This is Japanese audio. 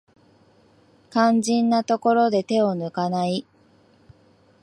肝心なところで手を抜かない